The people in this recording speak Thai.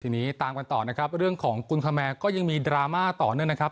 ทีนี้ตามกันต่อนะครับเรื่องของกุลคแมร์ก็ยังมีดราม่าต่อเนื่องนะครับ